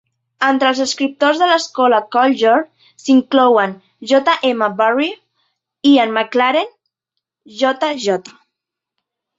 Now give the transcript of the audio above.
Entre els escriptors de l'escola Kailyard s'inclouen J. M. Barrie, Ian Maclaren, J. J.